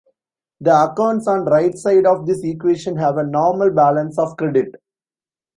The accounts on right side of this equation have a normal balance of credit.